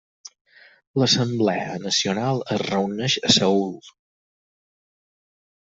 L'Assemblea Nacional es reuneix a Seül.